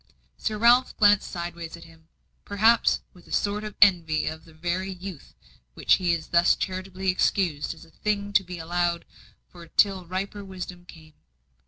Sir Ralph glanced sideways at him perhaps with a sort of envy of the very youth which he thus charitably excused as a thing to be allowed for till riper wisdom came.